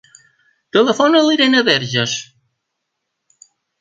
Telefona a l'Irene Verges.